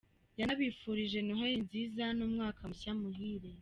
Yanabifurije Noheli nziza n'umwaka mushya muhire.